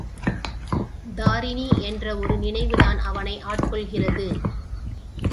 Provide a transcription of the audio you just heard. தாரிணி என்ற ஒரு நினைவுதான் அவனை ஆட்கொள்கிறது.